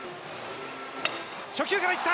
初球からいった！